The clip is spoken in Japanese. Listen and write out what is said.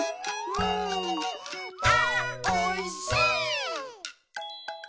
「あーおいしい」